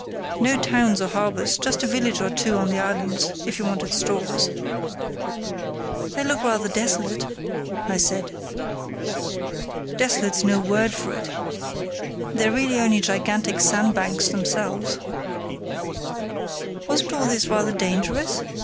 No towns or harbours, just a village or two on the islands, if you wanted stores." "They look rather desolate," I said. "Desolate's no word for it; they're really only gigantic sandbanks themselves." "Wasn't all this rather dangerous?"